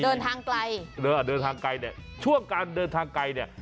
เดินทางไกลเดินทางไกลเนี่ยช่วงการเดินทางไกลเนี่ย